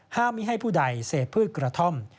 ไม่ให้ผู้ใดเสพพืชกระท่อม